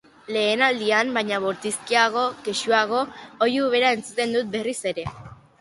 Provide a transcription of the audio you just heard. Lehen aldian baino bortizkiago, kexuago, oihu bera entzuten dut berriz ere.